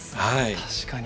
確かに。